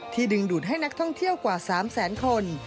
ดึงดูดให้นักท่องเที่ยวกว่า๓แสนคน